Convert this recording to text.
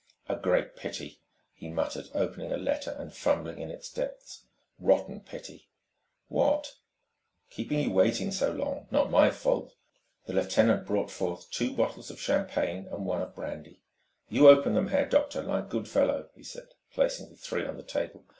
"A great pity," he muttered, opening a locker and fumbling in its depths "rotten pity...." "What?" "Keep you waiting so long. Not my fault." The lieutenant brought forth two bottles of champagne and one of brandy. "You open them, Herr Doctor, like 'good fellow," he said, placing the three on the table.